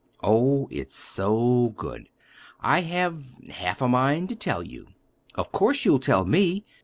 "Oh, it's so good, I have—half a mind to tell you." "Of course you'll tell me.